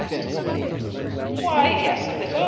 asked his wife. "Why, yes, a little.